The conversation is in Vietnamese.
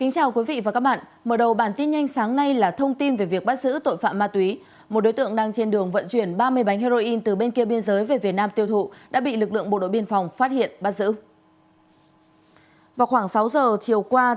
cảm ơn các bạn đã theo dõi